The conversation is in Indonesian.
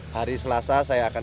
hari selasa saya akan